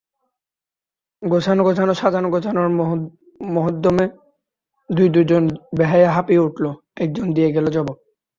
গোছানো-গাছানো সাজানো-গোজানোর মহোদ্যমে দুই-দুইজন বেহারা হাঁপিয়ে উঠল, একজন দিয়ে গেল জবাব।